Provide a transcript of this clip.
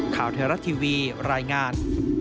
ข่าวไทยรัฐทีวีรายงาน